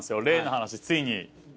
例の話ついに。